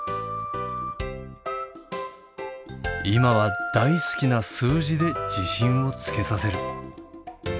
今は大好きな数字で自信をつけさせる。